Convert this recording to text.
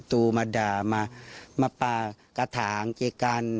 ตูมาด่ามาปลากระถางเกกัน